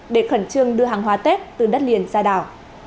để khẩn trương đưa hàng hóa tết từ đất liền ra đảo